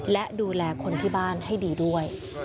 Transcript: และดูแลคนที่บ้านให้ดีด้วย